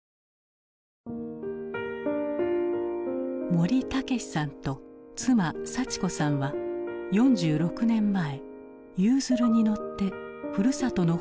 森武さんと妻幸子さんは４６年前ゆうづるに乗ってふるさとの北海道に戻った。